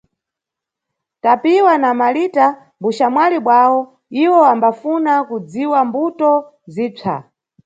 Tapiwa na Malita mbuxamwali bwawo, iwo ambafuna kudziwa mbuto zipsa.